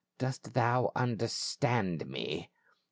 Dost thou understand me